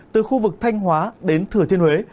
từ khu vực thanh hóa đến thừa thiên huế